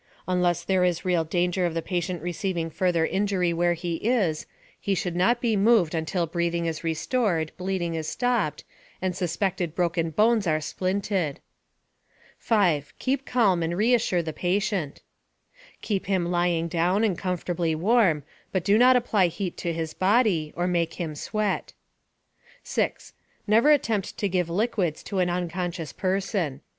Unless there is real danger of the patient receiving further injury where he is, he should not be moved until breathing is restored, bleeding is stopped, and suspected broken bones are splinted. 5. Keep calm, and reassure the patient. Keep him lying down and comfortably warm, but do not apply heat to his body, or make him sweat. 6. Never attempt to give liquids to an unconscious person.